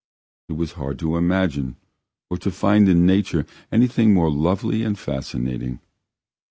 It was hard to imagine or to find in nature anything more lovely and fascinating.